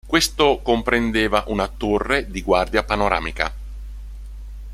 Questo comprendeva una torre di guardia panoramica.